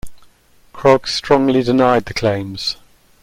Krog strongly denied the claims.